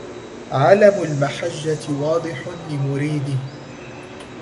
علم المحجة واضح لمريده